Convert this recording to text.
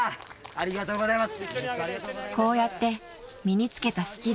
ありがとうございます。